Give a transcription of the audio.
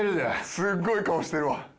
すっごい顔してるわ。